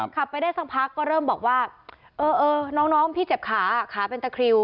ขับไปได้สักพักก็เริ่มบอกว่าเออน้องพี่เจ็บขาขาเป็นตะคริว